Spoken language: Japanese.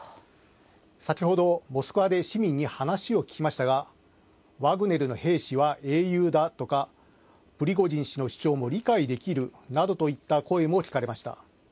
先ほど、モスクワで市民に話を聞きましたがワグネルの兵士は英雄だとかプリゴジン氏の主張も理解できるなどといった声も聞かれました。